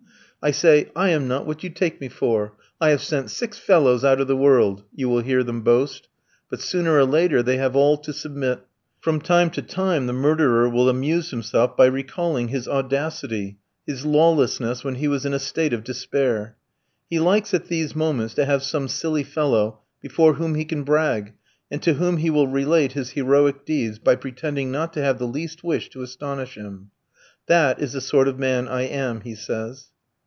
"I say, I am not what you take me for; I have sent six fellows out of the world," you will hear them boast; but sooner or later they have all to submit. From time to time, the murderer will amuse himself by recalling his audacity, his lawlessness when he was in a state of despair. He likes at these moments to have some silly fellow before whom he can brag, and to whom he will relate his heroic deeds, by pretending not to have the least wish to astonish him. "That is the sort of man I am," he says.